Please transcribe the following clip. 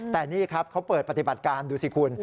แต่นี่ครับเขาเปิดปฏิบัติการดูสิคุณ